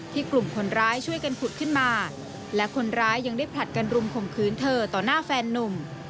กลุ่มคนร้ายช่วยกันขุดขึ้นมาและคนร้ายยังได้ผลัดกันรุมข่มขืนเธอต่อหน้าแฟนนุ่ม